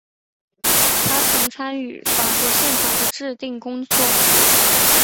他曾参与法国宪法的制订工作。